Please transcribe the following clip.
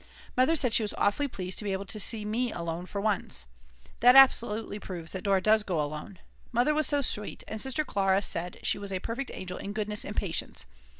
Mother said she was awfully pleased to be able to see me alone for once. That absolutely proves that Dora does go alone. Mother was so sweet, and Sister Klara said she was a perfect angel in goodness and patience.